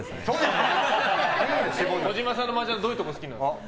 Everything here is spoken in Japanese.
児嶋さんのマージャンはどういうところが好きですか？